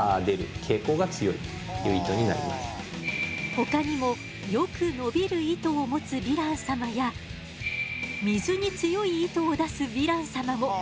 ほかにもよく伸びる糸を持つヴィラン様や水に強い糸を出すヴィラン様も。